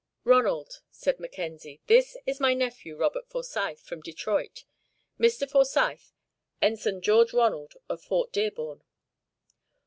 "Ronald," said Mackenzie, "this is my nephew, Robert Forsyth, from Detroit. Mr. Forsyth, Ensign George Ronald, of Fort Dearborn."